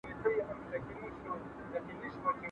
¬ شرمښکۍ د مار سره غځېده، پر منځ دوه ځايه سوه.